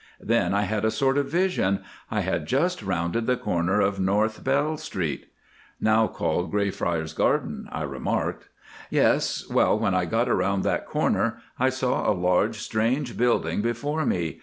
Then I had a sort of vision—I had just rounded the corner of North Bell Street." "Now called Greyfriars Garden," I remarked. "Yes! Well, when I got around that corner I saw a large, strange building before me.